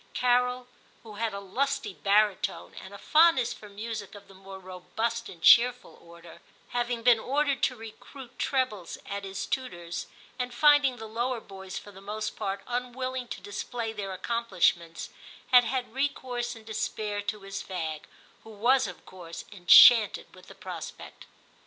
Carol, who had a lusty baritone, and a fondness for music of the more robust and cheerful order, having been ordered to recruit trebles at his tutors, and finding the lower boys for the most part unwilling to display their accomplishments, had had recourse in despair to his fag, who was of course en chanted with the prospect.